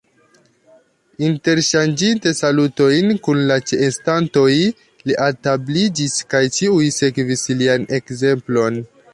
Interŝanĝinte salutojn kun la ĉeestantoj, li altabliĝis, kaj ĉiuj sekvis lian ekzemplon.